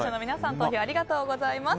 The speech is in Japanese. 投票ありがとうございます。